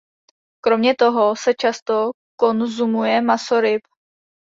Kromě toho se často konzumuje maso ryb.